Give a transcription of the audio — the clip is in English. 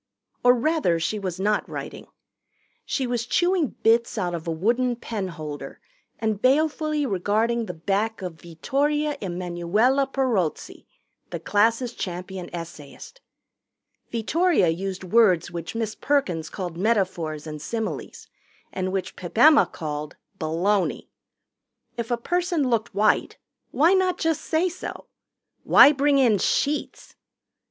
Or rather she was not writing. She was chewing bits out of a wooden pen holder and balefully regarding the back of Vittoria Emanuella Perozzi, the class' champion essayist. Vittoria used words which Miss Perkins called metaphors and similes and which Pip Emma called baloney. If a person looked white, why not just say so? Why bring in sheets?